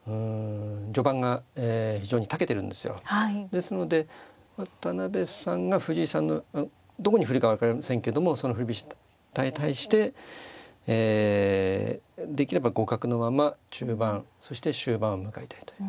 ですので渡辺さんが藤井さんのどこに振るか分かりませんけどもその振り飛車に対してできれば互角のまま中盤そして終盤を迎えたいという。